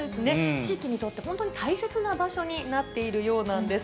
地域にとって、本当に大切な場所になっているようなんです。